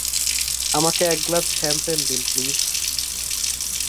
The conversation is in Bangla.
আমাকে এক গ্লাস শ্যাম্পেন দিন, প্লিজ।